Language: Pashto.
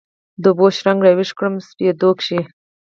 د اوبو شرنګي راویښ کړمه سپېدو کښي